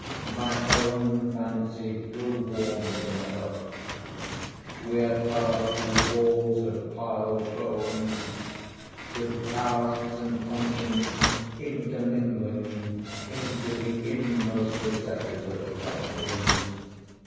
My own fancy grew warm with the Medoc. We had passed through walls of piled bones, with casks and puncheons intermingling, into the inmost recesses of the catacombs.